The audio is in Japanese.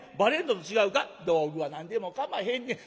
「道具は何でもかまへんねん。